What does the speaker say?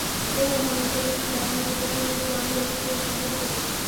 এভাবে ভাঙন চলতে থাকলে আগামী দুই বছরের মধ্যে গ্রামগুলো অস্তিত্বের সংকটে পড়বে।